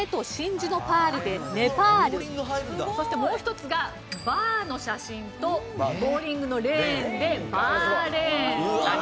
そしてもう一つが「バー」の写真とボウリングの「レーン」で「バーレーン」。